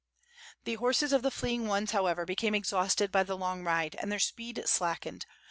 The horses of the fleeing ones, however, became exhausted by the long ride, and their speed slackened.